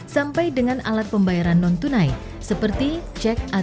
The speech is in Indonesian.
sampai dengan alat pembayaran non tunai seperti cek